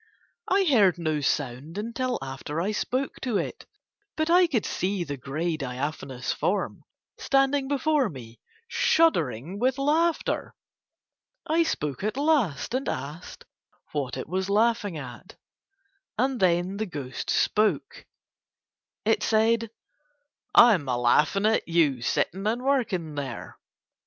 I heard no sound until after I spoke to it; but I could see the grey diaphanous form standing before me shuddering with laughter. I spoke at last and asked what it was laughing at, and then the ghost spoke. It said: "I'm a laughin' at you sittin' and workin' there."